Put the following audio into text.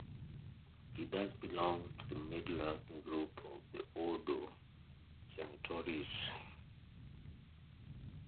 He thus belonged to the middle-ranking group of the "ordo senatorius".